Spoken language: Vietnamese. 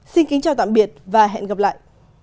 xin kính chào tạm biệt và hẹn gặp lại